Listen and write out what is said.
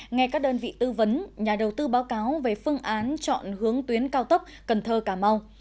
nghe các đơn vị tư vấn nhà đầu tư báo cáo về phương án chọn hướng tuyến cao tốc cần thơ cà mau